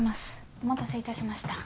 お待たせいたしました。